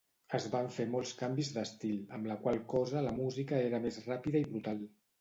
Es van fer molts canvis destil, amb la qual cosa la música era més ràpida i brutal.